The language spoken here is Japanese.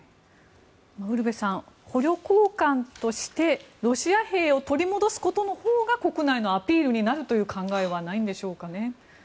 ウルヴェさん捕虜交換としてロシア兵を取り戻すことのほうが国内のアピールになるという考えはないんでしょうかね。